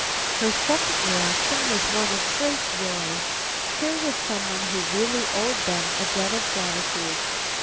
Her second reaction was one of great joy; here was someone who really owed them a debt of gratitude.